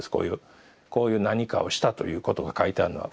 こういう何かをしたということが書いてあるのは。